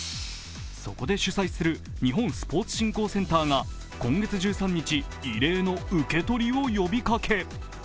そこで取材する日本スポーツ振興センターが今月１３日、異例の受け取りを呼びかけ。